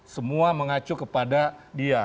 semua mengacu kepada dia